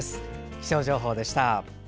気象情報でした。